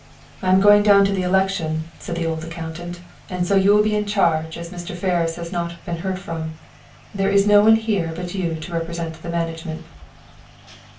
"I am going down to the election," said the old accountant. "And so you will be in charge, as Mr. Ferris has not been heard from. There is no one here but you to represent the management."